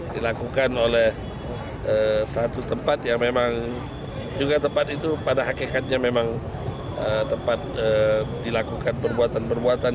dilakukan oleh satu tempat yang memang juga tepat itu pada hakikatnya memang tempat dilakukan perbuatan perbuatan